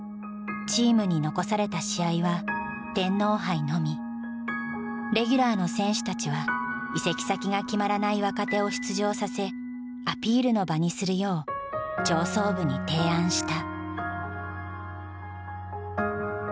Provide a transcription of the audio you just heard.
チームにレギュラーの選手たちは移籍先が決まらない若手を出場させアピールの場にするよう上層部に提案した。